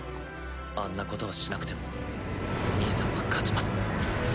あんなことをしなくても兄さんは勝ちます。